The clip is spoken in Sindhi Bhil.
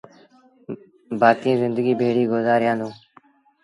بآڪيٚݩ زندگيٚ ڀيڙيٚ گُزآريآݩدوݩ